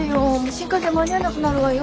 新幹線間に合わなくなるわよ。